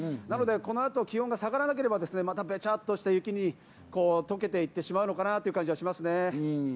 なのでこの後、気温が下がらなければ、またべちゃっとして溶けていってしまうのかなという感じがしますね。